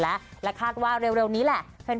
และและคาดว่าเร็วนี้แหละ